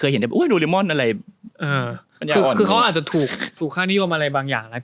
หรือเขาอาจจะถูกสูดค่านิยมอะไรบางอย่าง